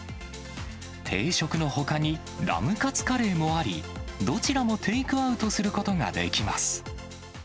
定食のほかに、ラムカツカレーもあり、どちらもテイクアウトすることができます。